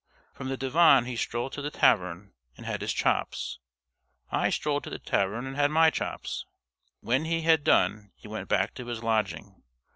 From the divan he strolled to the tavern and had his chops. I strolled to the tavern and had my chops. When he had done he went back to his lodging.